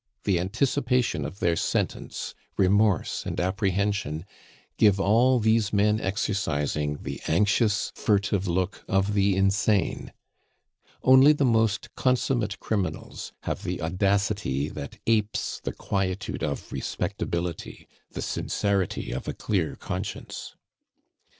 The anticipation of their sentence, remorse, and apprehension give all these men exercising, the anxious, furtive look of the insane. Only the most consummate criminals have the audacity that apes the quietude of respectability, the sincerity of a clear conscience.